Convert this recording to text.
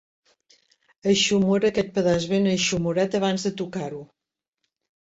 Eixumora aquest pedaç ben eixumorat abans de torcar-ho.